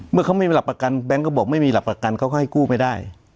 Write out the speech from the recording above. เขาไม่มีหลักประกันแบงค์ก็บอกไม่มีหลักประกันเขาก็ให้กู้ไม่ได้